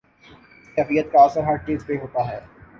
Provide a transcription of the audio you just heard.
اس کیفیت کا اثر ہر چیز پہ ہوتا ہے۔